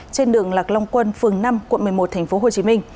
trên đường lạc long quân phường năm quận một mươi một tp hcm